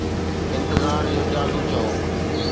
انتظار جو جادو چئو